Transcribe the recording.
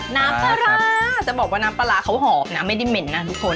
น้ำปลาร้าจะบอกว่าน้ำปลาร้าเขาหอมนะไม่ได้เหม็นนะทุกคน